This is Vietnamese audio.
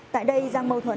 tại đây giang mâu thuẫn